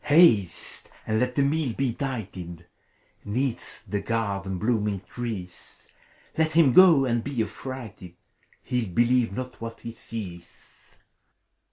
Haste, and let the meal be dighted 'Neath the garden's blooming trees! Let him go, and be affrighted I He'll believe not what he sees.